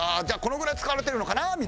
じゃあこのぐらい使われてるのかな？